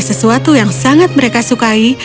sesuatu yang sangat mereka sukai